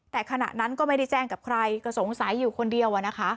แต่ขณะนั้นก็ไม่ได้แจ้งกับใครก็สงสัยอยู่คนเดียว